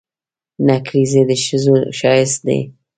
نکریزي د ښځو ښایست دي.